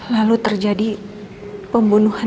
lalu terjadi pembunuhan